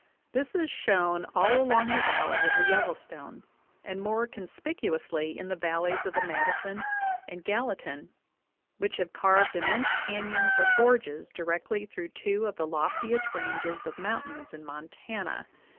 This is shown all along the valley of the Yellowstone, and more conspicuously in the valleys of the Madison and Gallatin, which have carved immense canyons or gorges di rectly through two of the loftiest ranges of mountains in Mon tana.